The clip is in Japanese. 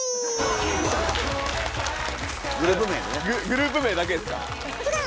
グループ名だけですか？